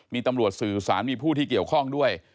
มีตำรวจสื่อสารมีผู้ที่เกี่ยวข้องด้วย